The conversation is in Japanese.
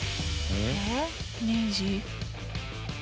えっ？